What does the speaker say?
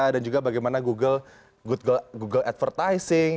dan juga bagaimana google advertising